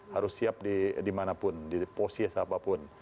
harus siap di manapun